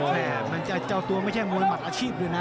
แต่มันจะเจ้าตัวไม่ใช่มวยหมัดอาชีพด้วยนะ